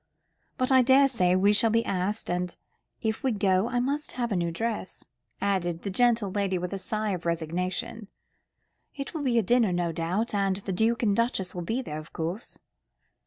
But I daresay we shall be asked, and if we go I must have a new dress," added the gentle lady with a sigh of resignation. "It will be a dinner, no doubt; and the Duke and Duchess will be there, of course."